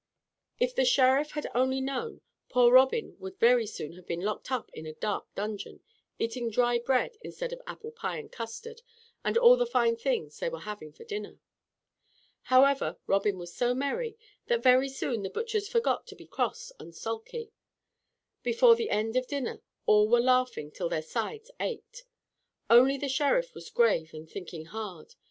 If the Sheriff had only known, poor Robin would very soon have been locked up in a dark dungeon, eating dry bread instead of apple pie and custard and all the fine things they were having for dinner. However, Robin was so merry, that very soon the butchers forgot to be cross and sulky. Before the end of dinner all were laughing till their sides ached. Only the Sheriff was grave and thinking hard.